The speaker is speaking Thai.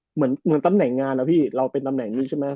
เหมือนตำแหน่งงานนะพี่เราเป็นตำแหน่งนี้ใช่ไหม